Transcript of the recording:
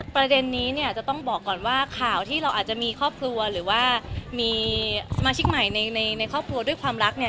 ประเด็นนี้เนี่ยจะต้องบอกก่อนว่าข่าวที่เราอาจจะมีครอบครัวหรือว่ามีสมาชิกใหม่ในในครอบครัวด้วยความรักเนี่ย